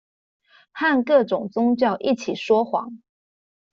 和各種宗教一起說謊